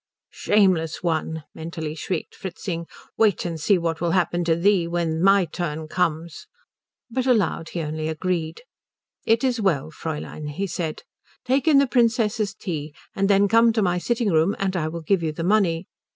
"Shameless one!" mentally shrieked Fritzing, "Wait and see what will happen to thee when my turn comes!" But aloud he only agreed. "It is well, Fräulein," he said. "Take in the Princess's tea, and then come to my sitting room and I will give you the money.